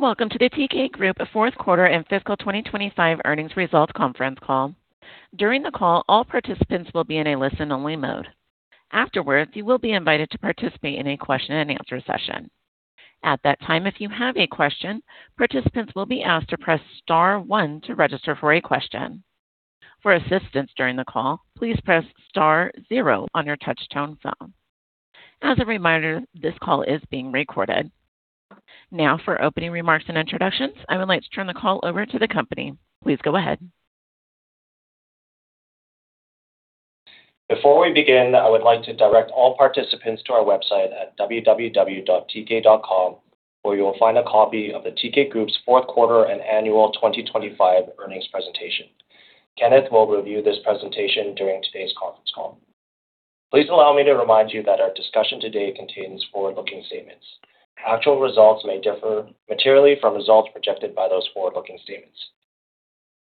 Welcome to the Teekay Group, a fourth quarter and fiscal 2025 earnings results conference call. During the call, all participants will be in a listen-only mode. Afterwards, you will be invited to participate in a question-and-answer session. At that time, if you have a question, participants will be asked to press star one to register for a question. For assistance during the call, please press star zero on your touchtone phone. As a reminder, this call is being recorded. Now, for opening remarks and introductions, I would like to turn the call over to the company. Please go ahead. Before we begin, I would like to direct all participants to our website at www.teekay.com, where you will find a copy of the Teekay Group's fourth quarter and annual 2025 earnings presentation. Kenneth Hvid will review this presentation during today's conference call. Please allow me to remind you that our discussion today contains forward-looking statements. Actual results may differ materially from results projected by those forward-looking statements.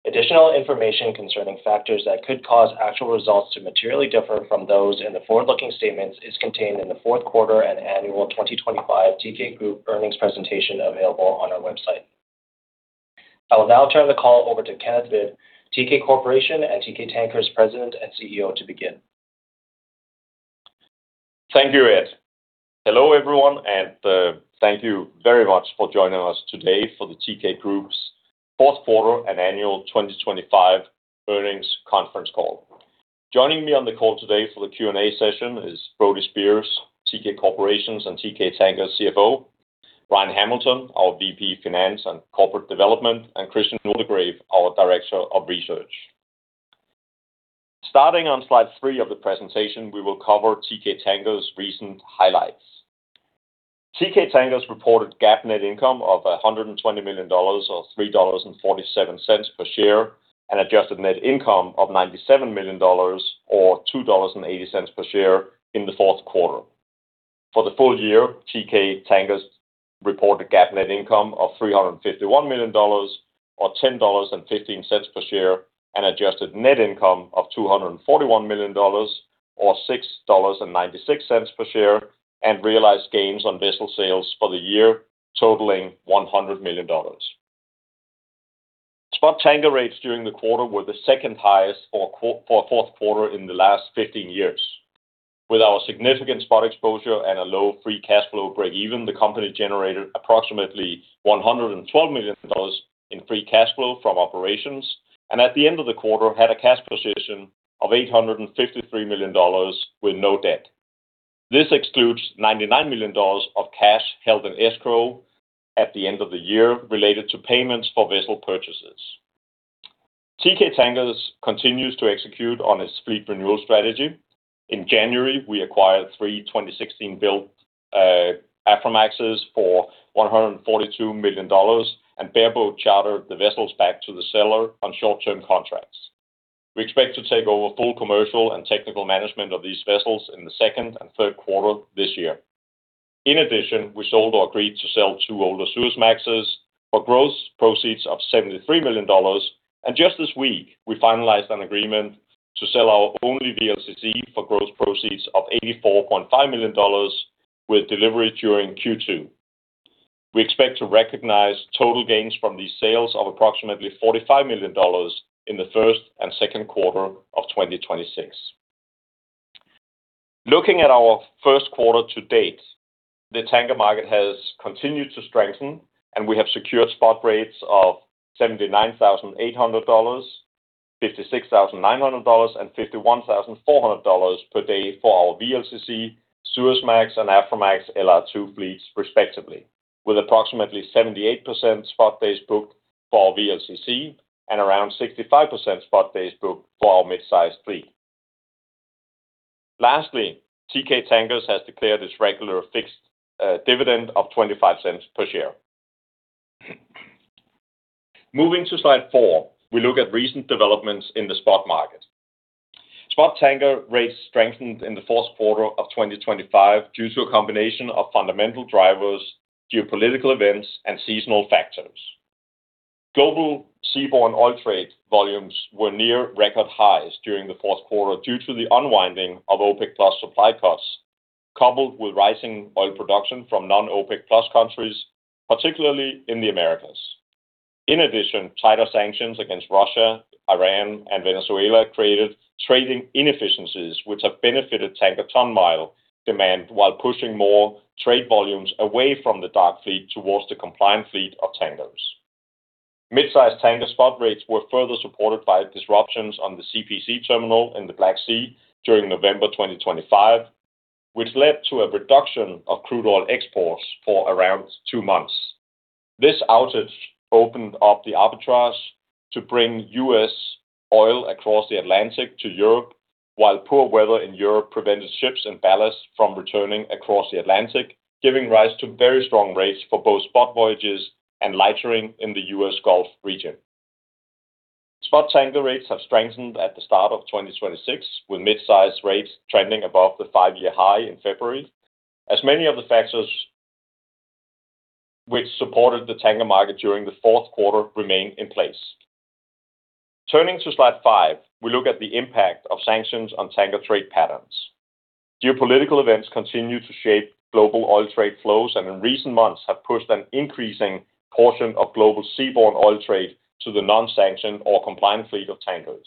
Additional information concerning factors that could cause actual results to materially differ from those in the forward-looking statements is contained in the fourth quarter and annual 2025 Teekay Group earnings presentation available on our website. I will now turn the call over to Kenneth Hvid, Teekay Corporation and Teekay Tankers President and CEO, to begin. Thank you, Ed. Hello, everyone, and thank you very much for joining us today for the Teekay Group's fourth quarter and annual 2025 earnings conference call. Joining me on the call today for the Q&A session is Brody Speers, Teekay Corporation's and Teekay Tankers CFO, Ryan Hamilton, our VP of Finance and Corporate Development, and Christian Waldegrave, our Director of Research. Starting on slide three of the presentation, we will cover Teekay Tankers recent highlights. Teekay Tankers reported GAAP net income of $120 million, or $3.47 per share, and adjusted net income of $97 million, or $2.80 per share in the fourth quarter. For the full year, Teekay Tankers reported GAAP net income of $351 million, or $10.15 per share, and adjusted net income of $241 million, or $6.96 per share, and realized gains on vessel sales for the year, totaling $100 million. Spot tanker rates during the quarter were the second highest for the fourth quarter in the last 15 years. With our significant spot exposure and a low free cash flow breakeven, the company generated approximately $112 million in free cash flow from operations, and at the end of the quarter, had a cash position of $853 million with no debt. This excludes $99 million of cash held in escrow at the end of the year related to payments for vessel purchases. Teekay Tankers continues to execute on its fleet renewal strategy. In January, we acquired three 2016-built Aframaxes for $142 million and bareboat chartered the vessels back to the seller on short-term contracts. We expect to take over full commercial and technical management of these vessels in the second and third quarter this year. In addition, we sold or agreed to sell two older Suezmaxes for gross proceeds of $73 million, and just this week, we finalized an agreement to sell our only VLCC for gross proceeds of $84.5 million, with delivery during Q2. We expect to recognize total gains from these sales of approximately $45 million in the first and second quarter of 2026. Looking at our first quarter to date, the tanker market has continued to strengthen, and we have secured spot rates of $79,800, $56,900, and $51,400 per day for our VLCC, Suezmax, and Aframax LR2 fleets, respectively, with approximately 78% spot days booked for VLCC and around 65% spot days booked for our mid-size fleet. Lastly, Teekay Tankers has declared its regular fixed dividend of $0.25 per share. Moving to slide four, we look at recent developments in the spot market. Spot tanker rates strengthened in the fourth quarter of 2025 due to a combination of fundamental drivers, geopolitical events, and seasonal factors. Global seaborne oil trade volumes were near record highs during the fourth quarter due to the unwinding of OPEC+ supply costs, coupled with rising oil production from non-OPEC+ countries, particularly in the Americas. In addition, tighter sanctions against Russia, Iran, and Venezuela created trading inefficiencies, which have benefited tanker ton mile demand, while pushing more trade volumes away from the dark fleet towards the compliant fleet of tankers. Mid-size tanker spot rates were further supported by disruptions on the CPC terminal in the Black Sea during November 2025, which led to a reduction of crude oil exports for around two months. This outage opened up the arbitrage to bring U.S. oil across the Atlantic to Europe, while poor weather in Europe prevented ships and ballasts from returning across the Atlantic, giving rise to very strong rates for both spot voyages and lightering in the U.S. Gulf region. Spot tanker rates have strengthened at the start of 2026, with mid-size rates trending above the 5-year high in February, as many of the factors which supported the tanker market during the fourth quarter remain in place. Turning to slide 5, we look at the impact of sanctions on tanker trade patterns. Geopolitical events continue to shape global oil trade flows, and in recent months have pushed an increasing portion of global seaborne oil trade to the non-sanctioned or compliant fleet of tankers.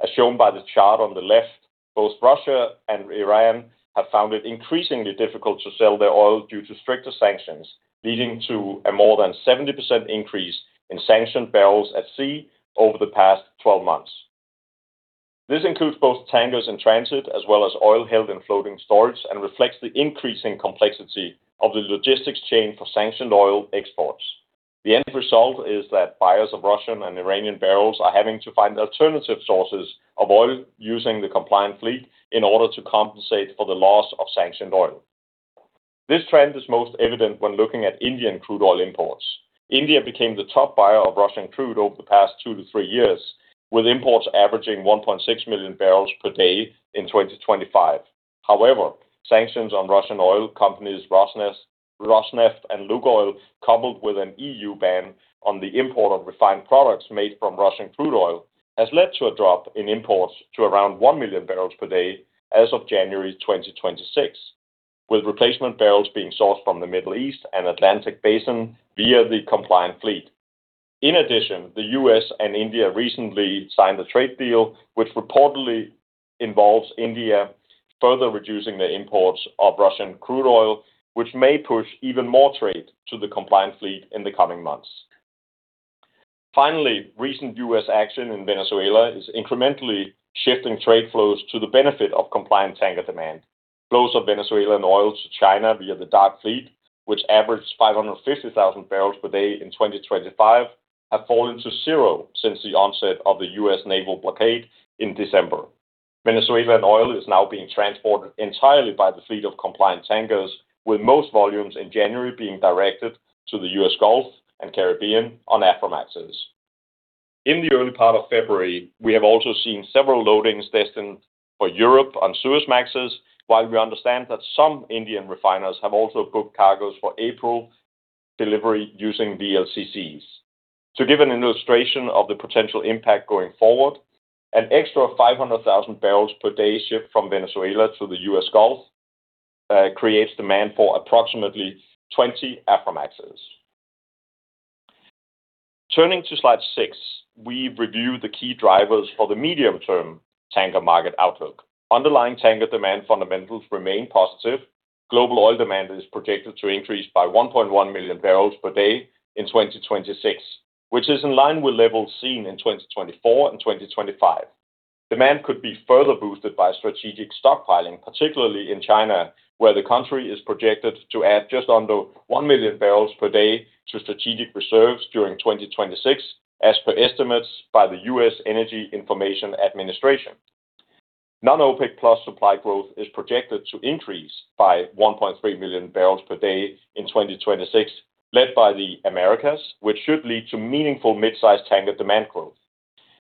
As shown by the chart on the left, both Russia and Iran have found it increasingly difficult to sell their oil due to stricter sanctions, leading to a more than 70% increase in sanctioned barrels at sea over the past 12 months. This includes both tankers in transit, as well as oil held in floating storage, and reflects the increasing complexity of the logistics chain for sanctioned oil exports. The end result is that buyers of Russian and Iranian barrels are having to find alternative sources of oil using the compliant fleet in order to compensate for the loss of sanctioned oil. This trend is most evident when looking at Indian crude oil imports. India became the top buyer of Russian crude over the past 2-3 years, with imports averaging 1.6 million bbl per day in 2025. However, sanctions on Russian oil companies, Rosneft, Rosneft and Lukoil, coupled with an E.U. ban on the import of refined products made from Russian crude oil, has led to a drop in imports to around 1 million bbl per day as of January 2026, with replacement barrels being sourced from the Middle East and Atlantic Basin via the compliant fleet. In addition, the U.S. and India recently signed a trade deal, which reportedly involves India further reducing their imports of Russian crude oil, which may push even more trade to the compliant fleet in the coming months. Finally, recent U.S. action in Venezuela is incrementally shifting trade flows to the benefit of compliant tanker demand. Flows of Venezuelan oil to China via the dark fleet, which averaged 550,000 bbl per day in 2025, have fallen to zero since the onset of the U.S. naval blockade in December. Venezuelan oil is now being transported entirely by the fleet of compliant tankers, with most volumes in January being directed to the U.S. Gulf and Caribbean on Aframaxes. In the early part of February, we have also seen several loadings destined for Europe on Suezmaxes, while we understand that some Indian refiners have also booked cargoes for April delivery using VLCCs. To give an illustration of the potential impact going forward, an extra 500,000 barrels per day shipped from Venezuela to the U.S. Gulf creates demand for approximately 20 Aframaxes. Turning to slide 6, we review the key drivers for the medium-term tanker market outlook. Underlying tanker demand fundamentals remain positive. Global oil demand is projected to increase by 1.1 million bbl per day in 2026, which is in line with levels seen in 2024 and 2025. Demand could be further boosted by strategic stockpiling, particularly in China, where the country is projected to add just under 1 million bbl per day to strategic reserves during 2026, as per estimates by the US Energy Information Administration. Non-OPEC+ supply growth is projected to increase by 1.3 million bbl per day in 2026, led by the Americas, which should lead to meaningful mid-size tanker demand growth.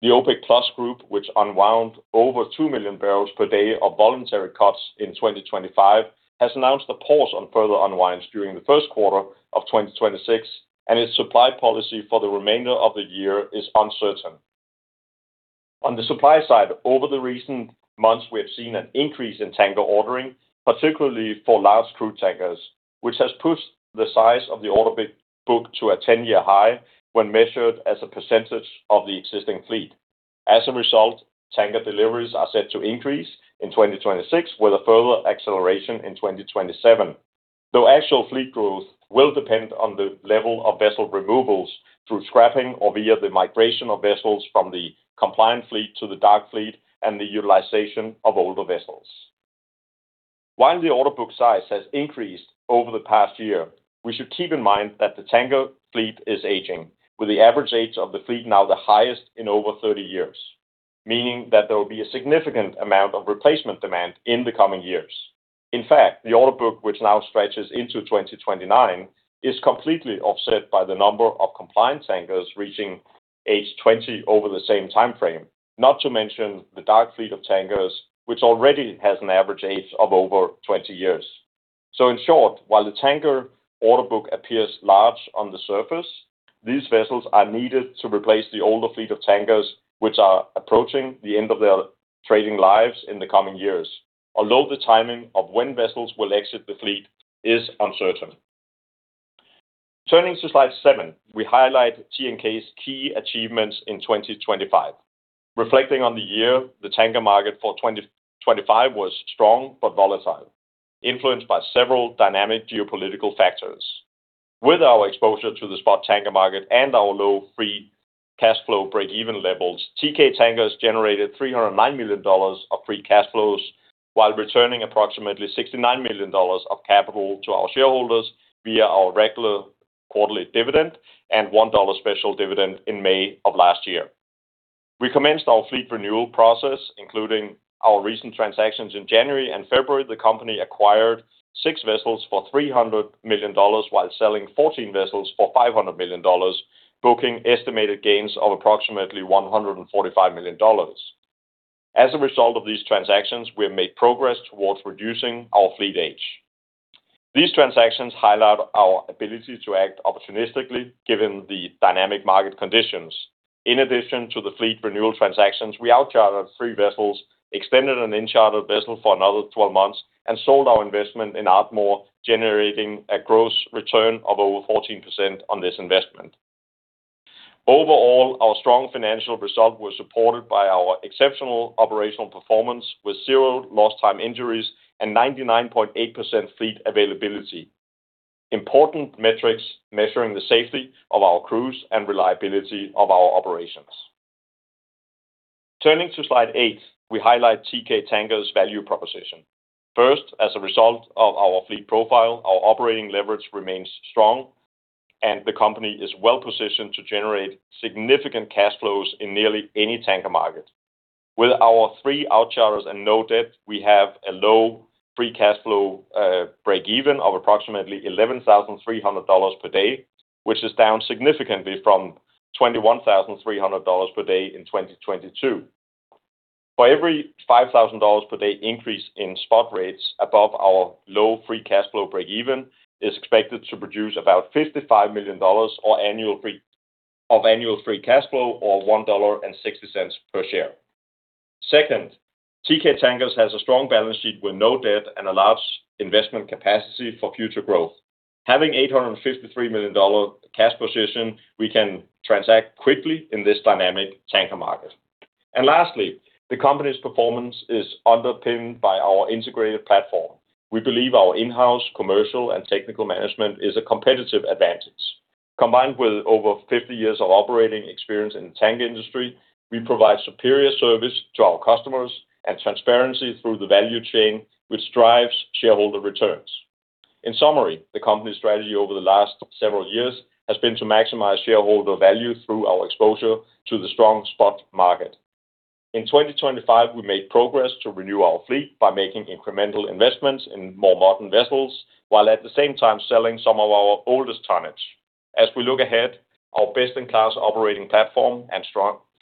The OPEC+ group, which unwound over 2 million bbl per day of voluntary cuts in 2025, has announced a pause on further unwinds during the first quarter of 2026, and its supply policy for the remainder of the year is uncertain. On the supply side, over the recent months, we have seen an increase in tanker ordering, particularly for large crude tankers, which has pushed the size of the order book to a ten-year high when measured as a percentage of the existing fleet. As a result, tanker deliveries are set to increase in 2026, with a further acceleration in 2027, though actual fleet growth will depend on the level of vessel removals through scrapping or via the migration of vessels from the compliant fleet to the dark fleet and the utilization of older vessels. While the order book size has increased over the past year, we should keep in mind that the tanker fleet is aging, with the average age of the fleet now the highest in over 30 years, meaning that there will be a significant amount of replacement demand in the coming years. In fact, the order book, which now stretches into 2029, is completely offset by the number of compliant tankers reaching age 20 over the same time frame, not to mention the dark fleet of tankers, which already has an average age of over 20 years. So in short, while the tanker order book appears large on the surface, these vessels are needed to replace the older fleet of tankers, which are approaching the end of their trading lives in the coming years, although the timing of when vessels will exit the fleet is uncertain. Turning to slide 7, we highlight TNK's key achievements in 2025. Reflecting on the year, the tanker market for 2025 was strong but volatile, influenced by several dynamic geopolitical factors. With our exposure to the spot tanker market and our low free cash flow breakeven levels, Teekay Tankers generated $309 million of free cash flows while returning approximately $69 million of capital to our shareholders via our regular quarterly dividend and $1 special dividend in May of last year. We commenced our fleet renewal process, including our recent transactions in January and February. The company acquired 6 vessels for $300 million, while selling 14 vessels for $500 million, booking estimated gains of approximately $145 million. As a result of these transactions, we have made progress towards reducing our fleet age. These transactions highlight our ability to act opportunistically, given the dynamic market conditions. In addition to the fleet renewal transactions, we outchartered three vessels, extended an in-chartered vessel for another 12 months, and sold our investment in Ardmore, generating a gross return of over 14% on this investment. Overall, our strong financial result was supported by our exceptional operational performance, with zero lost time injuries and 99.8% fleet availability, important metrics measuring the safety of our crews and reliability of our operations. Turning to slide 8, we highlight Teekay Tankers' value proposition. First, as a result of our fleet profile, our operating leverage remains strong, and the company is well-positioned to generate significant cash flows in nearly any tanker market. With our three outcharters and no debt, we have a low free cash flow breakeven of approximately $11,300 per day, which is down significantly from $21,300 per day in 2022. For every $5,000 per day increase in spot rates above our low free cash flow breakeven, is expected to produce about $55 million of annual free cash flow or $1.60 per share. Second, Teekay Tankers has a strong balance sheet with no debt and a large investment capacity for future growth. Having $853 million dollar cash position, we can transact quickly in this dynamic tanker market. And lastly, the company's performance is underpinned by our integrated platform. We believe our in-house commercial and technical management is a competitive advantage. Combined with over 50 years of operating experience in the tanker industry, we provide superior service to our customers and transparency through the value chain, which drives shareholder returns. In summary, the company's strategy over the last several years has been to maximize shareholder value through our exposure to the strong spot market. In 2025, we made progress to renew our fleet by making incremental investments in more modern vessels, while at the same time selling some of our oldest tonnage. As we look ahead, our best-in-class operating platform and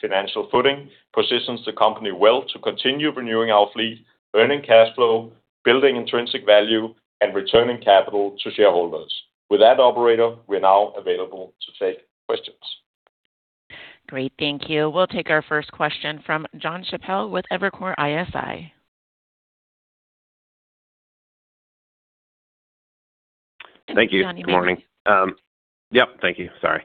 strong financial footing positions the company well to continue renewing our fleet, earning cash flow, building intrinsic value, and returning capital to shareholders. With that, operator, we're now available to take questions. Great, thank you. We'll take our first question from Jonathan Chappell with Evercore ISI. Thank you. Good morning. Yep, thank you. Sorry.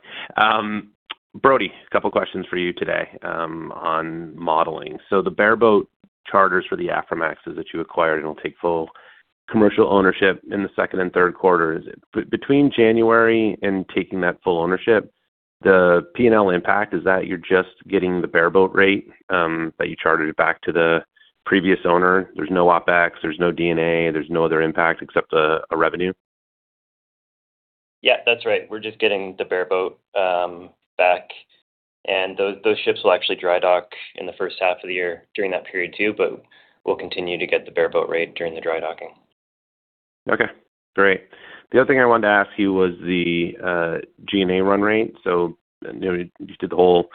Brody, a couple of questions for you today, on modeling. So the bareboat charters for the Aframaxes that you acquired, and will take full commercial ownership in the second and third quarters. Between January and taking that full ownership, the P&L impact is that you're just getting the bareboat rate, that you chartered back to the previous owner. There's no OpEx, there's no D&A, there's no other impact except the revenue? Yeah, that's right. We're just getting the bareboat back, and those ships will actually dry dock in the first half of the year during that period too, but we'll continue to get the bareboat rate during the dry docking. Okay, great. The other thing I wanted to ask you was the G&A run rate. So, you know, you did the whole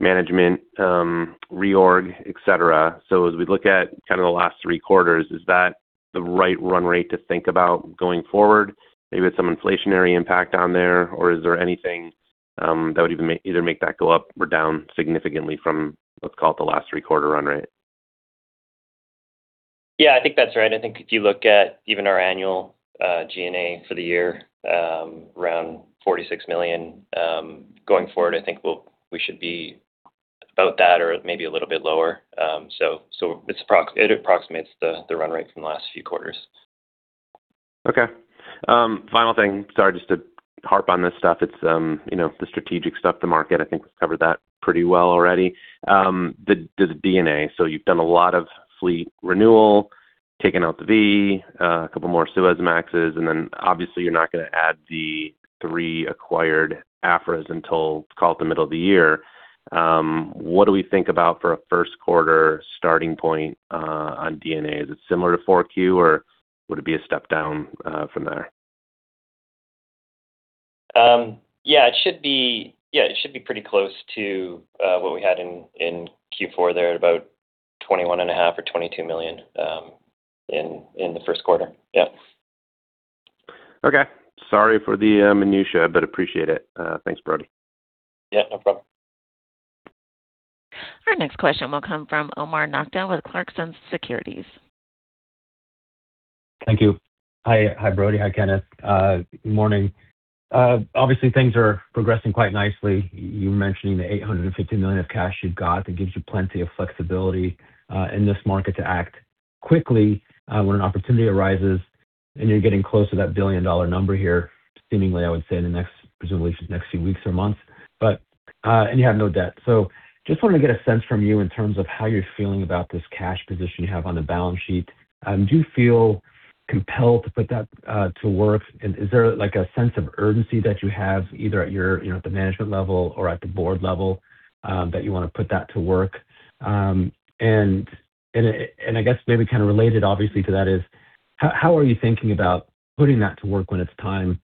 management reorg, et cetera. So as we look at kind of the last three quarters, is that the right run rate to think about going forward? Maybe with some inflationary impact on there, or is there anything that would even make that go up or down significantly from, let's call it the last three quarter run rate? Yeah, I think that's right. I think if you look at even our annual G&A for the year, around $46 million, going forward, I think we should be about that or maybe a little bit lower. So, it approximates the run rate from the last few quarters. Okay. Final thing, sorry, just to harp on this stuff, it's, you know, the strategic stuff, the market, I think we've covered that pretty well already. The D&A. So you've done a lot of fleet renewal, taken out the V, a couple more Suezmaxes, and then obviously you're not going to add the three acquired Afras until, call it, the middle of the year. What do we think about for a first quarter starting point, on D&A? Is it similar to 4Q, or would it be a step down, from there? Yeah, it should be pretty close to what we had in Q4 there, at about $21.5 million-$22 million in the first quarter. Yep. Okay. Sorry for the minutiae, but appreciate it. Thanks, Brody. Yeah, no problem. Our next question will come from Omar Nokta with Clarksons Securities. Thank you. Hi. Hi, Brody. Hi, Kenneth. Good morning. Obviously, things are progressing quite nicely. You mentioned the $850 million of cash you've got, that gives you plenty of flexibility in this market to act quickly when an opportunity arises, and you're getting close to that $1 billion number here, seemingly, I would say, in the next, presumably, next few weeks or months. But, and you have no debt. So just wanted to get a sense from you in terms of how you're feeling about this cash position you have on the balance sheet. Do you feel compelled to put that to work? And is there, like, a sense of urgency that you have, either at your, you know, at the management level or at the board level, that you want to put that to work? And I guess maybe kind of related obviously to that is: how are you thinking about putting that to work when it's time?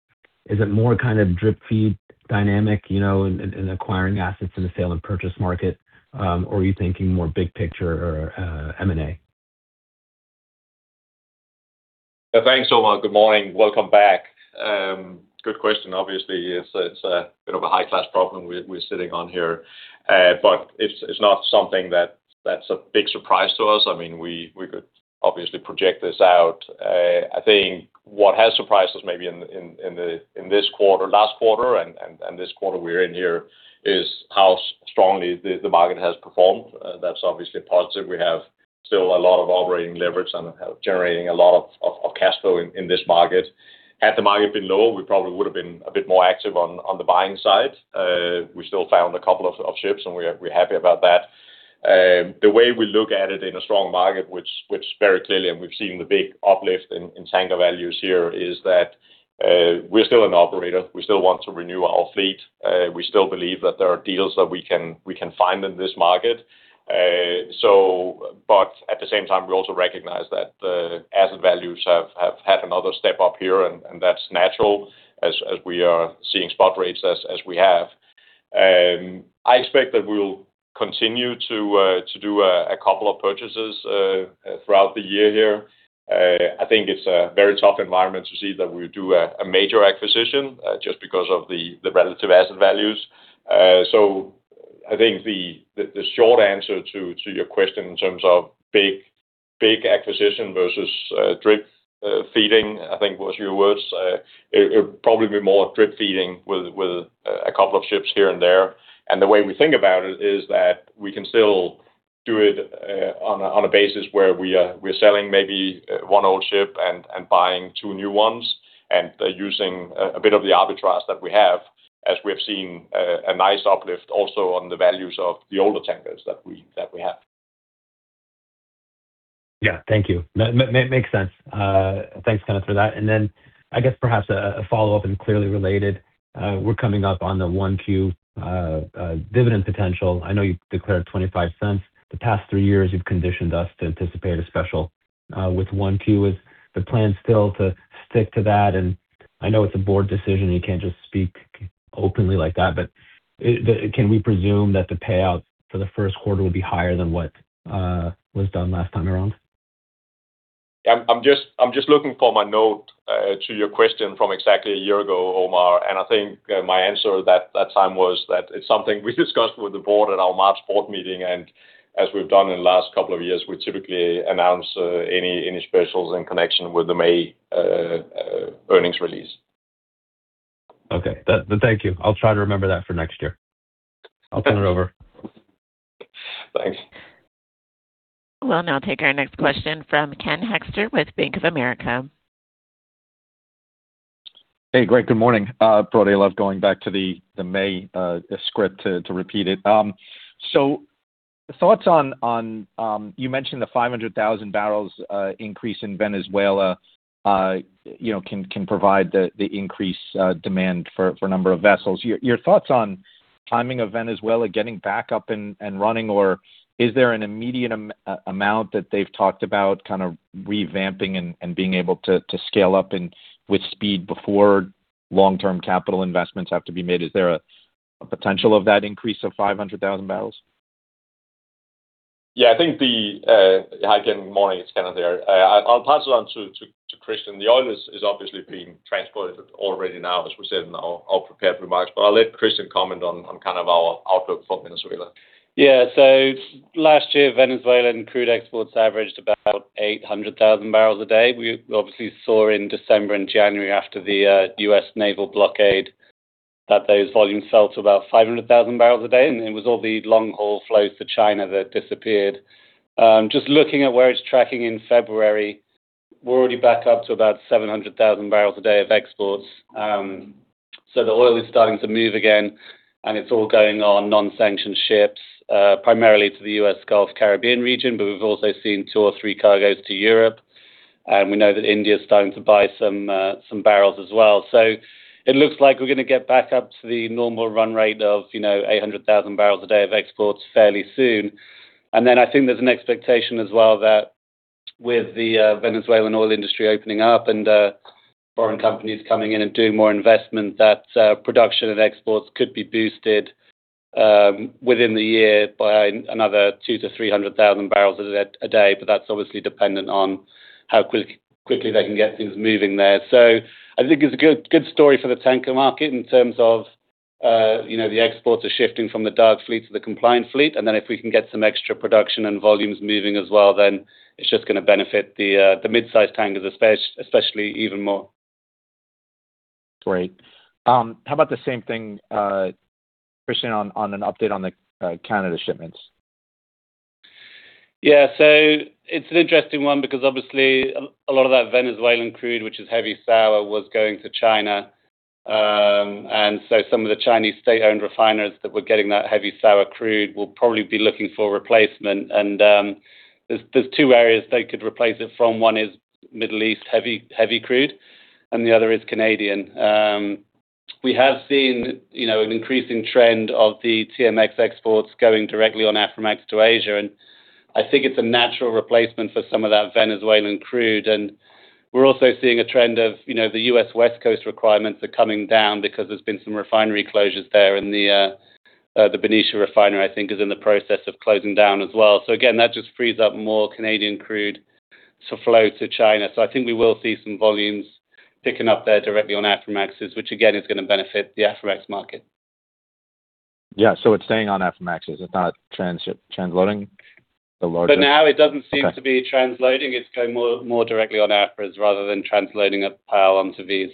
Is it more kind of drip feed dynamic, you know, in acquiring assets in the sale and purchase market, or are you thinking more big picture or, M&A? Thanks so much. Good morning. Welcome back. Good question. Obviously, it's a, it's a bit of a high-class problem we're sitting on here, but it's, it's not something that's a big surprise to us. I mean, we could obviously project this out. I think what has surprised us maybe in this quarter, last quarter and this quarter we're in here, is how strongly the market has performed. That's obviously positive. We have still a lot of operating leverage and generating a lot of cash flow in this market. Had the market been low, we probably would have been a bit more active on the buying side. We still found a couple of ships, and we're happy about that. The way we look at it in a strong market, which very clearly, and we've seen the big uplift in tanker values here, is that we're still an operator. We still want to renew our fleet. We still believe that there are deals that we can find in this market. But at the same time, we also recognize that the asset values have had another step up here, and that's natural as we are seeing spot rates as we have. I expect that we'll continue to do a couple of purchases throughout the year here. I think it's a very tough environment to see that we do a major acquisition just because of the relative asset values. So I think the short answer to your question in terms of big, big acquisition versus drip-feeding, I think was your words, it would probably be more drip-feeding with a couple of ships here and there. And the way we think about it is that we can still do it on a basis where we're selling maybe one old ship and buying two new ones, and using a bit of the arbitrage that we have, as we have seen a nice uplift also on the values of the older tankers that we have. Yeah. Thank you. Makes sense. Thanks, Kenneth, for that. And then I guess perhaps a follow-up and clearly related, we're coming up on the 1Q dividend potential. I know you've declared $0.25. The past three years, you've conditioned us to anticipate a special with 1Q. Is the plan still to stick to that? And I know it's a board decision, you can't just speak openly like that, but, can we presume that the payout for the first quarter will be higher than what was done last time around? I'm just looking for my note to your question from exactly a year ago, Omar, and I think my answer that time was that it's something we discussed with the board at our March board meeting, and as we've done in the last couple of years, we typically announce any specials in connection with the May earnings release. Okay. Then, thank you. I'll try to remember that for next year. I'll turn it over. Thanks. We'll now take our next question from Ken Hoexter with Bank of America. Hey, guys. Good morning. Probably I love going back to the, the May script to, to repeat it. So thoughts on, on, you mentioned the 500,000 bbl increase in Venezuela, you know, can, can provide the, the increased demand for, for a number of vessels. Your, your thoughts on timing of Venezuela getting back up and, and running, or is there an immediate amount that they've talked about kind of revamping and, and being able to, to scale up and with speed before long-term capital investments have to be made? Is there a potential of that increase of 500,000 bbl? Yeah, Hi again, morning. It's Kenneth here. I'll pass it on to Christian. The oil is obviously being transported already now, as we said in our prepared remarks, but I'll let Christian comment on kind of our outlook for Venezuela. Yeah. So last year, Venezuelan crude exports averaged about 800,000 bbl a day. We obviously saw in December and January after the U.S. naval blockade that those volumes fell to about 500,000 bbl a day, and it was all the long-haul flows to China that disappeared. Just looking at where it's tracking in February, we're already back up to about 700,000 bbl a day of exports. So the oil is starting to move again, and it's all going on non-sanctioned ships, primarily to the U.S. Gulf Caribbean region, but we've also seen two or three cargos to Europe, and we know that India is starting to buy some some barrels as well. So it looks like we're going to get back up to the normal run rate of, you know, 800,000 bbl a day of exports fairly soon. And then I think there's an expectation as well that with the Venezuelan oil industry opening up and foreign companies coming in and doing more investment, that production and exports could be boosted within the year by another 200,000-300,000 bbl a day, but that's obviously dependent on how quickly they can get things moving there. So I think it's a good story for the tanker market in terms of, you know, the exports are shifting from the dark fleet to the compliant fleet, and then if we can get some extra production and volumes moving as well, then it's just going to benefit the mid-sized tankers, especially even more. Great. How about the same thing, Christian, on an update on the Canada shipments? Yeah. So it's an interesting one because obviously a lot of that Venezuelan crude, which is heavy sour, was going to China. And so some of the Chinese state-owned refiners that were getting that heavy sour crude will probably be looking for replacement, and there's two areas they could replace it from. One is Middle East, heavy, heavy crude, and the other is Canadian. We have seen, you know, an increasing trend of the TMX exports going directly on Aframax to Asia, and I think it's a natural replacement for some of that Venezuelan crude. And we're also seeing a trend of, you know, the U.S. West Coast requirements are coming down because there's been some refinery closures there, and the Benicia Refinery, I think, is in the process of closing down as well. So again, that just frees up more Canadian crude to flow to China. So I think we will see some volumes picking up there directly on Aframaxes, which, again, is going to benefit the Aframax market. Yeah. So it's staying on Aframaxes, it's not transloading the larger- For now, it doesn't seem- Okay... to be transloading. It's going more directly on Aframax rather than transloading a pile onto these.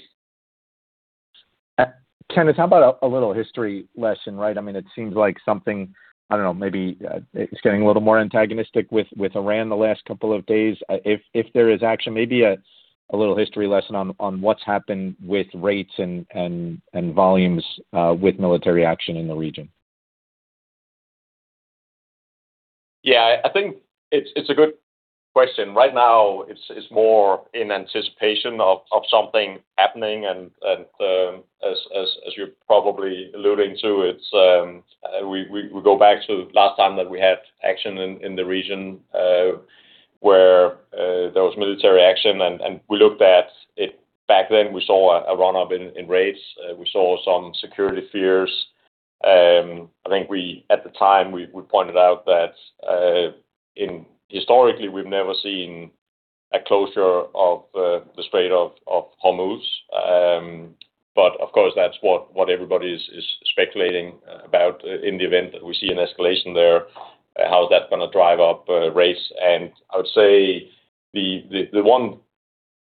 Kenneth, how about a little history lesson, right? I mean, it seems like something, I don't know, maybe it's getting a little more antagonistic with Iran the last couple of days. If there is action, maybe a little history lesson on what's happened with rates and volumes with military action in the region. Yeah, I think it's a good question. Right now, it's more in anticipation of something happening and, as you're probably alluding to, we go back to last time that we had action in the region, where there was military action, and we looked at it. Back then, we saw a run-up in rates, we saw some security fears. I think we-- at the time, we pointed out that, in-- historically, we've never seen a closure of the Strait of Hormuz. But of course, that's what everybody is speculating about in the event that we see an escalation there, how is that going to drive up rates? I would say the one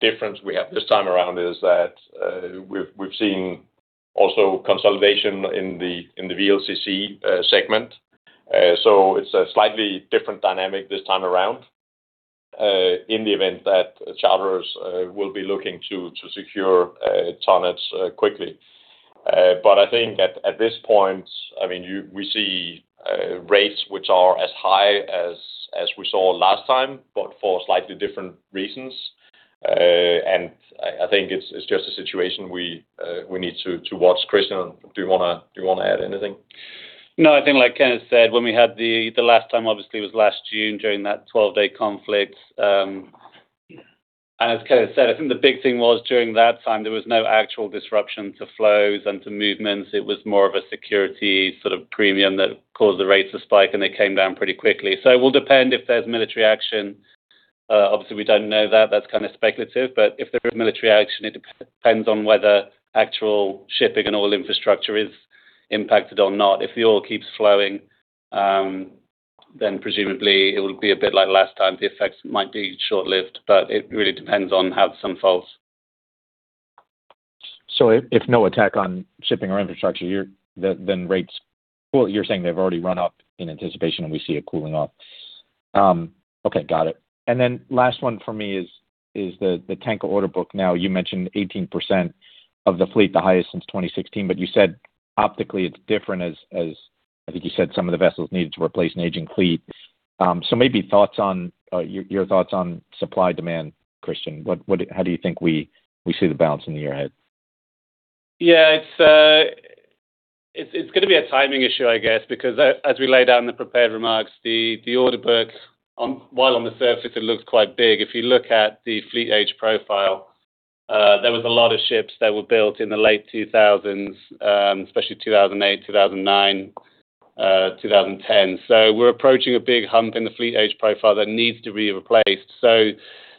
difference we have this time around is that we've seen also consolidation in the VLCC segment. So it's a slightly different dynamic this time around, in the event that charters will be looking to secure tonnages quickly. But I think at this point, I mean, we see rates which are as high as we saw last time, but for slightly different reasons. I think it's just a situation we need to watch. Christian, do you want to add anything? No, I think like Kenneth said, when we had the last time, obviously, was last June during that 12-day conflict. As Kenneth said, I think the big thing was during that time, there was no actual disruption to flows and to movements. It was more of a security sort of premium that caused the rates to spike, and they came down pretty quickly. So it will depend if there's military action. Obviously, we don't know that. That's kind of speculative, but if there is military action, it depends on whether actual shipping and oil infrastructure is impacted or not. If the oil keeps flowing, then presumably it will be a bit like last time. The effects might be short-lived, but it really depends on how some falls. So if no attack on shipping or infrastructure, you're then rates... Well, you're saying they've already run up in anticipation, and we see it cooling off. Okay, got it. And then last one for me is the tanker order book. Now, you mentioned 18% of the fleet, the highest since 2016, but you said optically it's different as I think you said, some of the vessels needed to replace an aging fleet. So maybe thoughts on your thoughts on supply, demand, Christian. What, how do you think we see the balance in the year ahead? Yeah, it's going to be a timing issue, I guess, because as we laid out in the prepared remarks, the order book on, while on the surface it looks quite big, if you look at the fleet age profile, there was a lot of ships that were built in the late 2000s, especially 2008, 2009, 2010. So we're approaching a big hump in the fleet age profile that needs to be replaced. So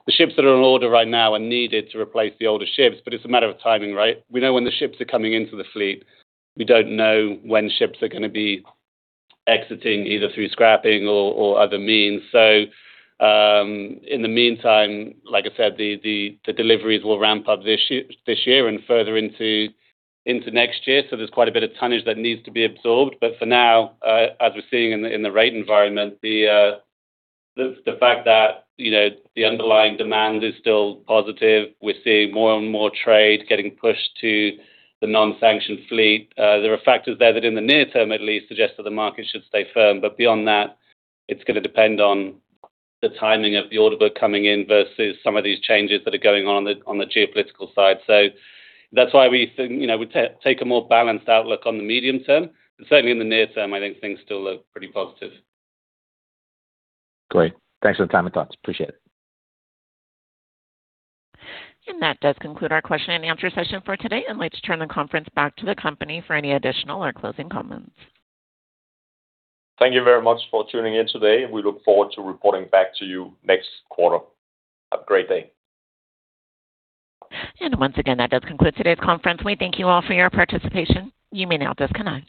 the ships that are on order right now are needed to replace the older ships, but it's a matter of timing, right? We know when the ships are coming into the fleet. We don't know when ships are going to be exiting, either through scrapping or other means. So, in the meantime, like I said, the deliveries will ramp up this year, this year and further into next year. So there's quite a bit of tonnage that needs to be absorbed. But for now, as we're seeing in the rate environment, the fact that, you know, the underlying demand is still positive, we're seeing more and more trade getting pushed to the non-sanctioned fleet. There are factors there that, in the near term at least, suggest that the market should stay firm, but beyond that, it's going to depend on the timing of the order book coming in versus some of these changes that are going on on the geopolitical side. So that's why we think, you know, we take a more balanced outlook on the medium term. Certainly, in the near term, I think things still look pretty positive. Great. Thanks for the time and thoughts. Appreciate it. That does conclude our question and answer session for today. I'd like to turn the conference back to the company for any additional or closing comments. Thank you very much for tuning in today, and we look forward to reporting back to you next quarter. Have a great day. Once again, that does conclude today's conference. We thank you all for your participation. You may now disconnect.